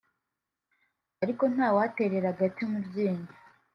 ariko nta waterera agati mu ryinyo